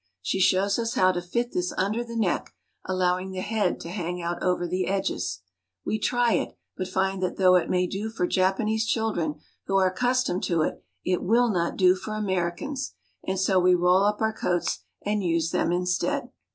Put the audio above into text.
She shows us how to fit this under the neck, allowing the head to hang out over the edges. We try it, but find that though HOW JAPAN IS GOVERNED 5/ it may do for Japanese children who are accustomed to it, it will not do for Americans ; and so we roll up our coats and use them instead.